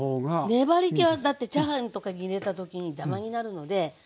粘りけはだってチャーハンとかに入れた時に邪魔になるのではい。